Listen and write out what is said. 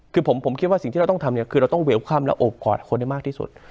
คือผมคิดว่าสิ่งที่เราต้องทำเนี่ยคือเราต้องเหวค่ำและโอบกอดคนให้มากที่สุด